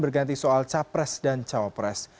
berganti soal capres dan cawapres